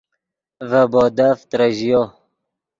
ڤے بودف ترژیو